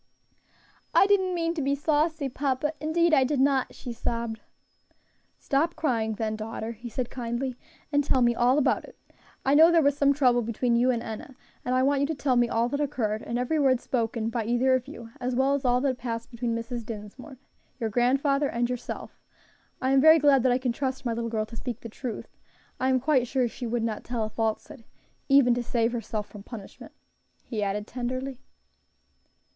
"I did not mean to be saucy, papa, indeed I did not," she sobbed. "Stop crying then, daughter," he said kindly, "and tell me all about it. I know there was some trouble between you and Enna, and I want you to tell me all that occurred, and every word spoken by either of you, as well as all that passed between Mrs. Dinsmore, your grandfather, and yourself. I am very glad that I can trust my little girl to speak the truth. I am quite sure she would not tell a falsehood even to save herself from punishment," he added tenderly.